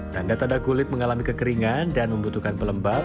tanda tanda kulit mengalami kekeringan dan membutuhkan pelembab